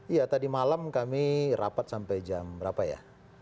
iya tadi malam kami rapat sampai jam berapa ya